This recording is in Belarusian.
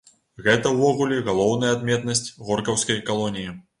Гэта ўвогуле галоўная адметнасць горкаўскай калоніі.